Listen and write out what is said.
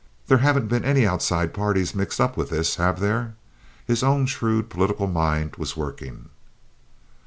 "There haven't been any outside parties mixed up with this, have there?" His own shrewd, political mind was working.